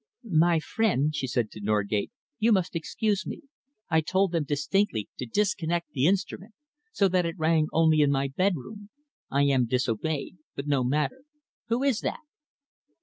"My friend," she said to Norgate, "you must excuse me. I told them distinctly to disconnect the instrument so that it rang only in my bedroom. I am disobeyed, but no matter. Who is that?"